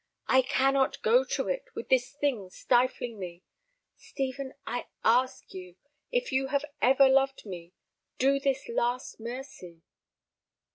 I cannot go to it—with this thing stifling me. Stephen, I ask you, if you have ever loved me, do me this last mercy."